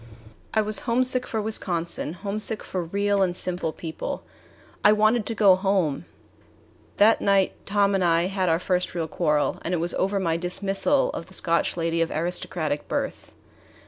I was homesick for Wisconsin, homesick for real and simple people. I wanted to go home! That night Tom and I had our first real quarrel, and it was over my dismissal of the Scotch lady of aristocratic birth.